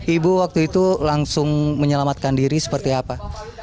ibu waktu itu langsung menyelamatkan diri seperti apa